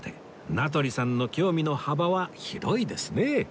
名取さんの興味の幅は広いですね